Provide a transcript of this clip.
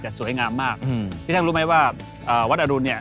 แต่สวยงามมากอืมที่ท่านรู้ไหมว่าเอ่อวัดอรุณเนี่ย